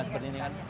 ya seperti ini kan